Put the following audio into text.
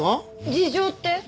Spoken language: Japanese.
事情って？